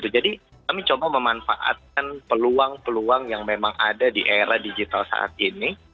jadi kami coba memanfaatkan peluang peluang yang memang ada di era digital saat ini